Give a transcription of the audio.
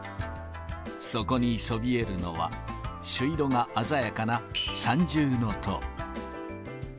そこにそびえるのは、朱色が鮮やかな三重塔。